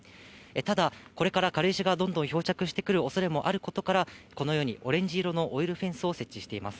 ただ、これから軽石がどんどん漂着してくるおそれもあることから、このように、オレンジ色のオイルフェンスを設置しています。